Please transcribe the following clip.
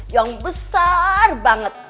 yang besar banget